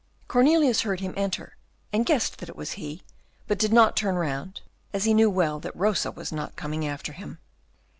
Cornelius heard him enter, and guessed that it was he, but did not turn round, as he knew well that Rosa was not coming after him.